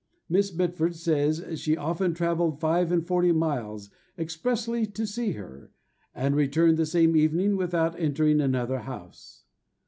Miss Mitford says she often travelled five and forty miles expressly to see her, and returned the same evening without entering another house.